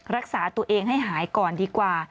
รักษาตัวเองให้หายก่อนดีกว่า